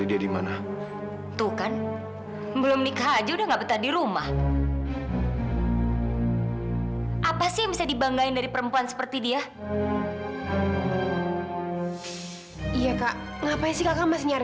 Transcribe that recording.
sampai jumpa di video selanjutnya